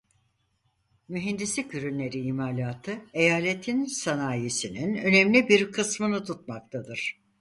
Mühendislik ürünleri imalatı eyaletin sanayisinin önemli bir kısmını tutmaktadır.